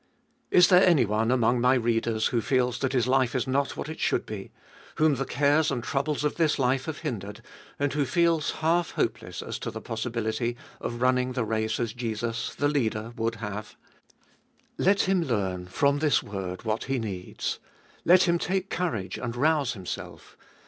Is there anyone among my readers who feels that his life is not what it should be, whom the cares and troubles of this life have hindered, and who feels half hope less as to the possibility of running the race as Jesus the Leader would have — let him learn from this word what he needs. Let him take courage and rouse himself.